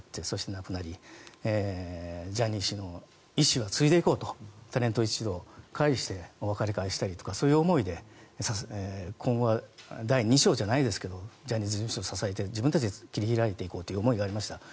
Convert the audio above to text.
亡くなりジャニー氏の遺志は継いでいこうとタレント一同会してお別れ会をしたりとかそういう思いで今後は第２章じゃないですがジャニーズ事務所を支えて自分たちで切り開いていこうと思いました。